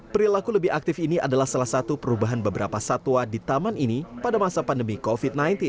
perilaku lebih aktif ini adalah salah satu perubahan beberapa satwa di taman ini pada masa pandemi covid sembilan belas